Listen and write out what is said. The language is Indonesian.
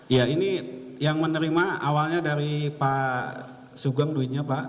ya ini yang menerima awalnya dari pak sugeng duitnya pak